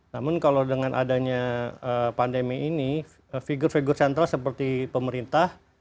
namun kalau dengan adanya pandemi ini figur figur sentral seperti pemerintah